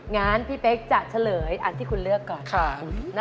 งั้นพี่เป๊กจะเฉลยอันที่คุณเลือกก่อน